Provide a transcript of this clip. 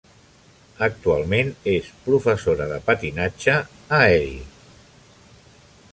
Actualment, és professora de patinatge a Erie.